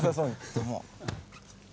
どうも。